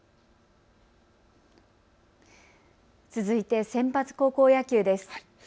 続いてセンバツ高校野球です。